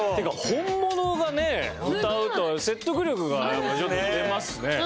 本物がね歌うと説得力がちょっと出ますね。